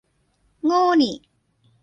โง่นิ